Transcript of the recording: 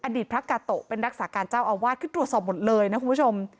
พระกาโตะเป็นรักษาการเจ้าอาวาสคือตรวจสอบหมดเลยนะคุณผู้ชม